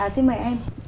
xin mời em